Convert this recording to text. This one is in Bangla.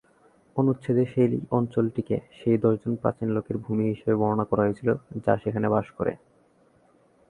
অনুচ্ছেদে সেই অঞ্চলটিকে সেই দশজন প্রাচীন লোকের ভূমি হিসাবে বর্ণনা করা হয়েছিল যা সেখানে বাস করে।